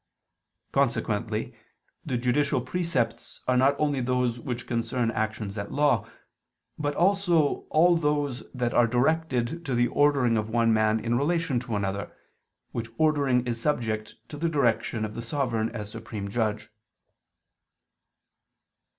Consequently the judicial precepts are not only those which concern actions at law; but also all those that are directed to the ordering of one man in relation to another, which ordering is subject to the direction of the sovereign as supreme judge.